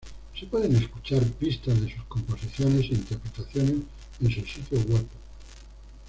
Se pueden escuchar pistas de sus composiciones e interpretaciones en su sitio web.